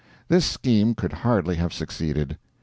This scheme could hardly have succeeded.